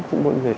của mỗi người